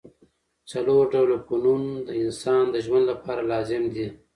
څلور ډوله فنون د انسان د ژوند له پاره لازم دي.